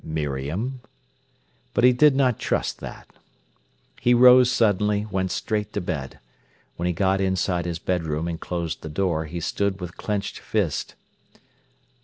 "Miriam?" But he did not trust that. He rose suddenly, went straight to bed. When he got inside his bedroom and closed the door, he stood with clenched fist.